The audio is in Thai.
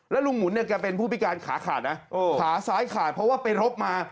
ลุงหมุนเนี่ยแกเป็นผู้พิการขาขาดนะขาซ้ายขาดเพราะว่าไปรบมา